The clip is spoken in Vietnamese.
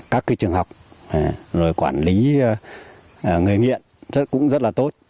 các trường học rồi quản lý người nghiện cũng rất là tốt